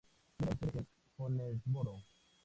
Tiene su sede en Jonesboro.